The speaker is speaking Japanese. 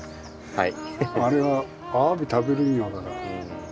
はい。